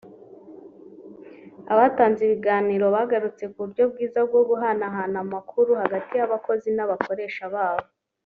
Abatanze ibiganiro bagarutse ku buryo bwiza bwo guhanahana amakuru hagati y’abakozi n’abakoresha babo